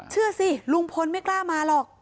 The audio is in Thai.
เชื่อสิลุงพลไม่กล้ามาหรอก